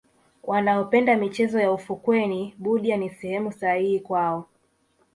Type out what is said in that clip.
wanaopenda michezo ya ufukweni budya ni sehemu sahihi kwao